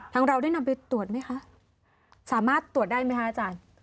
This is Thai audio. เราได้นำไปตรวจไหมคะสามารถตรวจได้ไหมคะอาจารย์